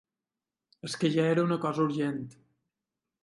És que ja era una cosa urgent.